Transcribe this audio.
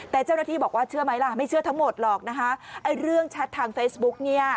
แต่เจ้าหน้าที่บอกว่าเชื่อไหมล่ะไม่เชื่อทั้งหมดหรอกเรื่องชัดทางเฟซบุ๊ก